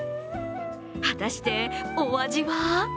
果たして、お味は？